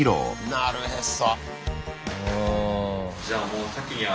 なるへそ。